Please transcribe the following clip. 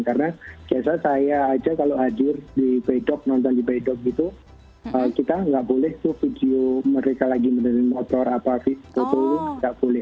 karena biasa saya aja kalau hadir di pay dock nonton di pay dock gitu kita nggak boleh tuh video mereka lagi menerima motor apa visi foto itu nggak boleh